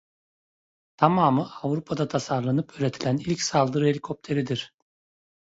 Tamamı Avrupa'da tasarlanıp üretilen ilk saldırı helikopteridir.